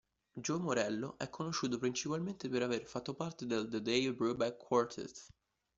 Joe Morello è conosciuto principalmente per aver fatto parte del The Dave Brubeck Quartet.